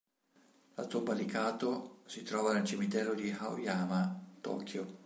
La tomba di Katō si trova nel cimitero di Aoyama, Tokyo.